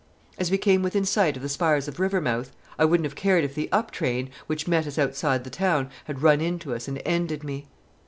As we came within sight of the spires of Rivermouth, I wouldn't have cared if the up train, which met us outside the town, had run into us and ended me.